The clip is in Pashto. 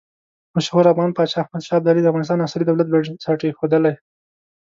مشهور افغان پاچا احمد شاه ابدالي د افغانستان عصري دولت بنسټ ایښودلی.